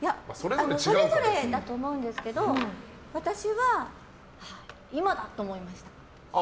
それぞれだと思うんですけど私は、今だ！と思いました。